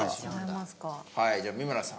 はいじゃあ美村さん。